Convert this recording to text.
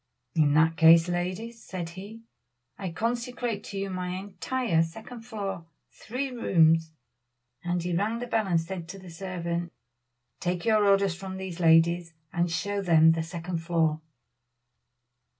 "In that case, ladies," said he, "I consecrate to you my entire second floor, three rooms," and he rang the bell and said to the servant, "Take your orders from these ladies, and show them the second floor."